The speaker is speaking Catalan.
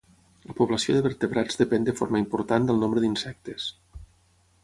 La població de vertebrats depèn de forma important del nombre d'insectes.